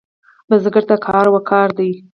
بزګر ته کار وقار دی